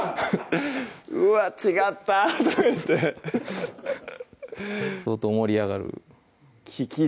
「うわっ違った」とか言って相当盛り上がる利き